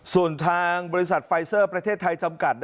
ส่วนทางบริษัทไฟเซอร์ประเทศไทยจำกัด